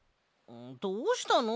どうしたの？